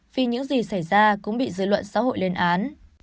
vì những gì xảy ra cũng bị dư luận xã hội lên án